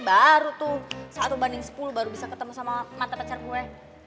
baru tuh satu banding sepuluh baru bisa ketemu sama mata pacar gue